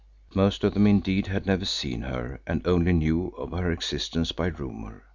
Most of them indeed had never seen her and only knew of her existence by rumour.